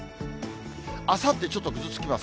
あさって、ちょっとぐずつきます。